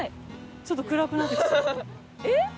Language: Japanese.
ちょっと暗くなってきた。